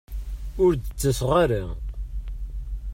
Ur d-ttaseɣ ara.